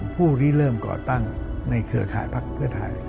ผู้ริเริ่มก่อตั้งในเกราะข่ายพรรคเพื่อไทย